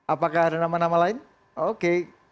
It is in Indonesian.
apakah ada nama nama lain oke